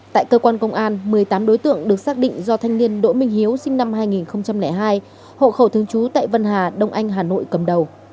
tại cơ quan công an một mươi tám đối tượng được xác định do thanh niên đỗ minh hiếu sinh năm hai nghìn hai hộ khẩu thương chú tại vân hà đông anh hà nội cầm đầu